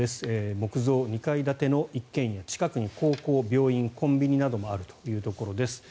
木造２階建ての一軒家近くに高校、病院コンビニなどもあるというところです。